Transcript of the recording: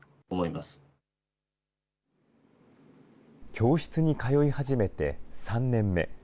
教室に通い始めて３年目。